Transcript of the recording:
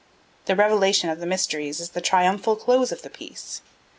The revelation of the mysteries is the triumphal close of the piece.